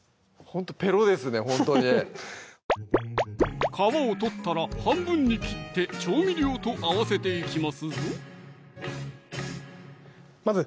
ほんとにフフフッ皮を取ったら半分に切って調味料と合わせていきますぞ